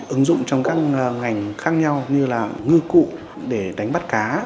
ứng dụng trong các ngành khác nhau như là ngư cụ để đánh bắt cá